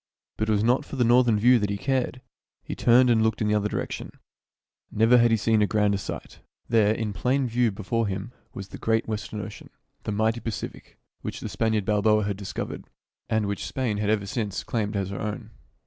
But it was not for the northern view that he cared. He turned and looked in the other direction. Never had he seen a grander sight. There, in plain view before him, was the great western ocean, the mighty Pacific, which the Spaniard Balboa had discovered, and which Spain had ever since claimed as her own.